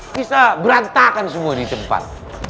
bisa berantakan semua di tempat